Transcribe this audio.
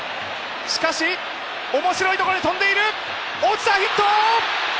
しかし、面白いところに飛んでいる、落ちた、ヒット。